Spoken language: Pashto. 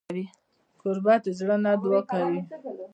کوربه د زړه نه دعا کوي.